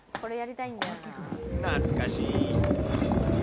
懐かしい。